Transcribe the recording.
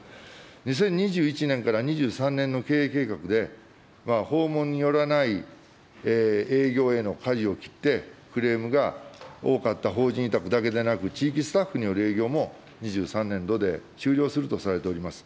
２０２１年から２３年の経営計画では、訪問によらない営業へのかじを切って、クレームが多かった法人委託だけでなく、地域スタッフによる営業も２３年度で終了するとされております。